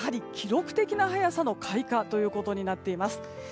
どこもやはり、記録的な早さの開花となっています。